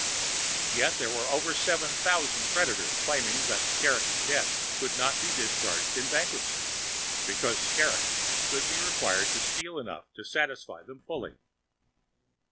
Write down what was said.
Yet here were over seven thousand creditors claiming that Skrrgck's debts should not be discharged in bankruptcy, because Skrrgck could be required to steal enough to satisfy them fully.